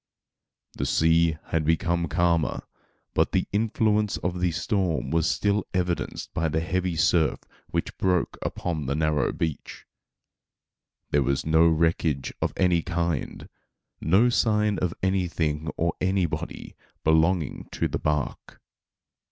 The sea had become calmer, but the influence of the storm was still evidenced by the heavy surf which broke upon the narrow beach. There was no wreckage of any kind, no sign of anything or anybody belonging to the bark.